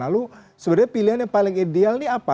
lalu sebenarnya pilihan yang paling ideal ini apa